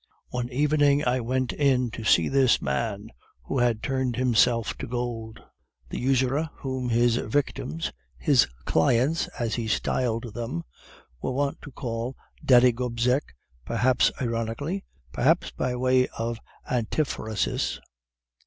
"One evening I went in to see this man who had turned himself to gold; the usurer, whom his victims (his clients, as he styled them) were wont to call Daddy Gobseck, perhaps ironically, perhaps by way of antiphrasis.